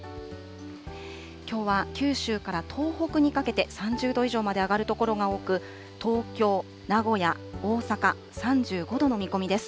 きょうは九州から東北にかけて、３０度以上まで上がる所が多く、東京、名古屋、大阪、３５度の見込みです。